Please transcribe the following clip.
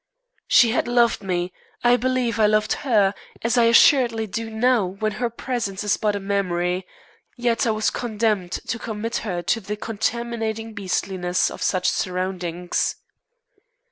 She had loved me. I believe I loved her, as I assuredly do now when her presence is but a memory, yet I was condemned to commit her to the contaminating beastliness of such surroundings.